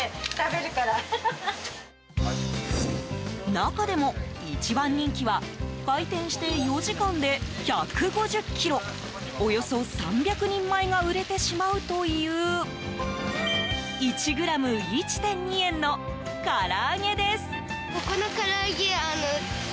中でも一番人気は開店して４時間で１５０ｋｇ、およそ３００人前が売れてしまうという１ｇ１．２円のから揚げです。